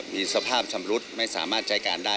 มีสภาพชำรุดไม่สามารถใช้การได้